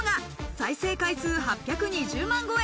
再生回数８２０万超え。